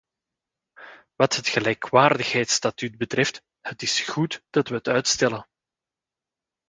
Wat het gelijkwaardigheidsbesluit betreft: het is goed dat we het uitstellen.